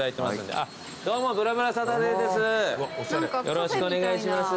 よろしくお願いします。